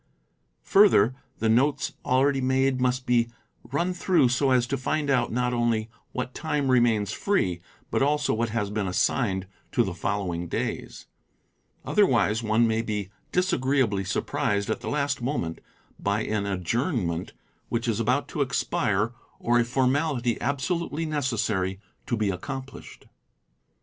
Further the notes already made must be | run through so as to find out not only what time remains free, but also _ what has been assigned to the following days; otherwise one may be disagreeably surprised at the last moment by an adjournment which is about to expire or a formality absolutely necessary to be accomplished.